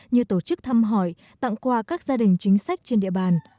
như tổ chức thăm hỏi tặng quà các gia đình chính sách trên địa bàn